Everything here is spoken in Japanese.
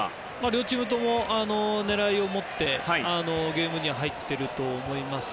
両チームとも狙いを持ってゲームに入ってると思います。